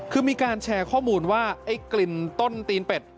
คือมีการแชร์ข้อมูลว่าไอ้กลิ่นต้นตีนเป็ด